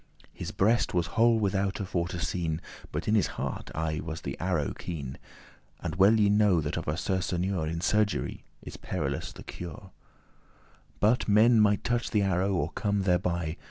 <10> His breast was whole withoute for to seen, But in his heart aye was the arrow keen, And well ye know that of a sursanure <11> In surgery is perilous the cure, But* men might touch the arrow or come thereby.